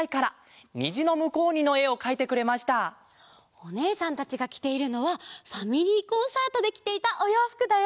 おねえさんたちがきているのはファミリーコンサートできていたおようふくだよ。